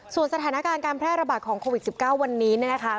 ส่วนสถานการณ์การแพร่ระบาดของโควิด๑๙วันนี้เนี่ยนะคะ